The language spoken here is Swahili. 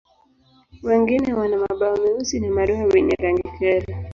Wengine wana mabawa meusi na madoa wenye rangi kali.